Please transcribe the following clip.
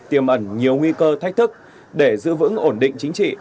tiềm ẩn nhiều nguy cơ thách thức để giữ vững ổn định chính trị